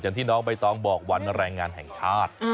อย่างที่น้องใบตองบอกวันแหล่งงานแห่งทาส